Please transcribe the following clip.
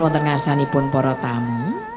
wontengarsani pun porotamu